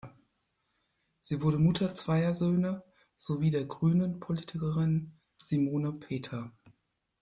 Sie wurde Mutter zweier Söhne sowie der "Grünen"-Politikerin Simone Peter.